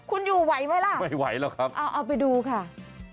คุณอยู่ไหวไหมล่ะเอาไปดูค่ะไม่ไหวหรอกครับ